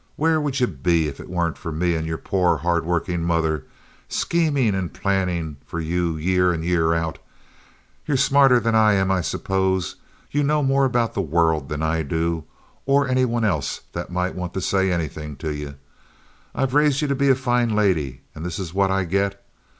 Where would you be if it weren't for me and your poor, hard workin' mother, schemin' and plannin' for you year in and year out? Ye're smarter than I am, I suppose. Ye know more about the world than I do, or any one else that might want to say anythin' to ye. I've raised ye to be a fine lady, and this is what I get.